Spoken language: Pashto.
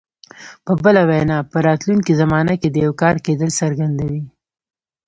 په بله وینا په راتلونکي زمانه کې د یو کار کېدل څرګندوي.